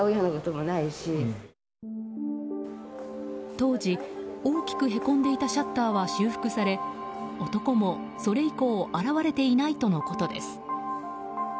当時、大きくへこんでいたシャッターは修復され男も、それ以降現れていないとのことです。